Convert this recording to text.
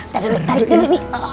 tarik dulu tarik dulu ini